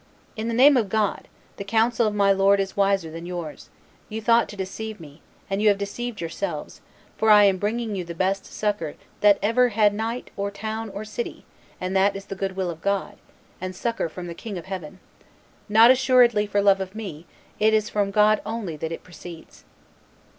"In the name of God, the counsel of my Lord is wiser than yours; you thought to deceive me, and you have deceived yourselves, for I am bringing you the best succor that ever had knight, or town, or city, and that is the good will of God, and succor from the King of Heaven; not assuredly for love of me, it is from God only that it proceeds."